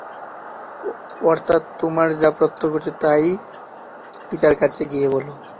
অর্থাৎ তোমরা যা প্রত্যক্ষ করেছ তাই পিতার কাছে গিয়ে বল।